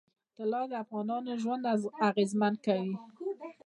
طلا د افغانانو ژوند اغېزمن کوي.